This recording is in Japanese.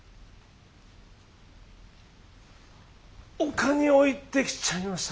丘に置いてきちゃいました。